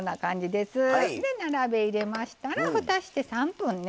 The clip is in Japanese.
で並べ入れましたらふたして３分ね